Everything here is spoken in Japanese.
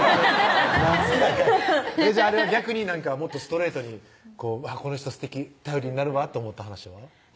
好きなんかいじゃあ逆にもっとストレートにうわっこの人すてき頼りになるわと思った話は？